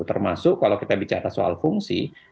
termasuk kalau kita bicara soal fungsi